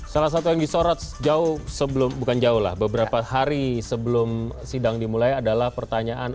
salah satu yang disorot jauh sebelum bukan jauh lah beberapa hari sebelum sidang dimulai adalah pertanyaan